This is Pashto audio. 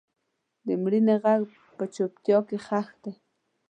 د مړینې غږ په چوپتیا کې ښخ دی.